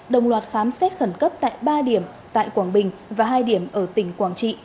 đồng loạt khám xét khẩn cấp tại ba điểm tại quảng bình và hai điểm ở tỉnh quảng trị